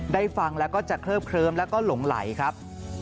ฟังแล้วก็จะเคลิบเคลิ้มแล้วก็หลงไหลครับ